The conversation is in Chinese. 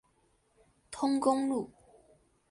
通公路。